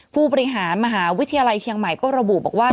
ผู้บริหารมหาวิทยาลัยเชียงใหม่ก็ระบุบอกว่า